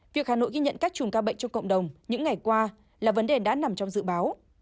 việc hà nội ghi nhận các chùm ca bệnh trong cộng đồng những ngày qua là vấn đề đã nằm trong dự báo